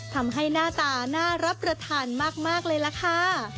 ทำให้หน้าตาน่ารับประทานมากเลยล่ะค่ะ